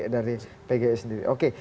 dari pgi sendiri oke